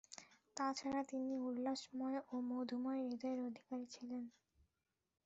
তা ছাড়া তিনি উল্লাসময় ও মধুময় হৃদয়ের অধিকারী ছিলেন।